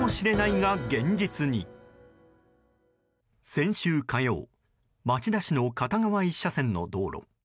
先週火曜町田市の片側１車線の道路。